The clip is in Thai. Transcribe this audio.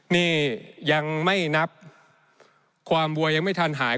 นี่ยังไม่นับความวัวยังไม่ทันหาย